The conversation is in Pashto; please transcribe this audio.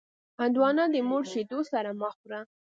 هندوانه د مور شیدو سره مه خوره.